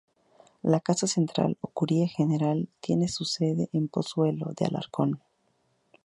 La casa central o curia general tiene su sede en Pozuelo de Alarcón.